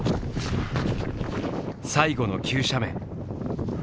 最後の急斜面。